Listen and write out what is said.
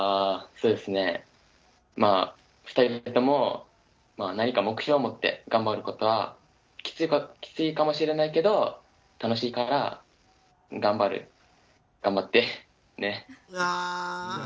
２人とも何か目標を持って頑張ることはきついかもしれないけど楽しいから頑張ってね。